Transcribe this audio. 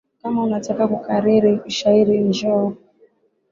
Kama unataka kukariri shairi njoo.